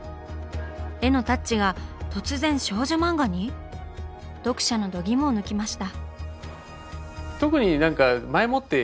絵のタッチが突然少女漫画に⁉読者の度肝を抜きました。